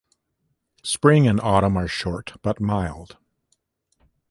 Spring and autumn are short but mild.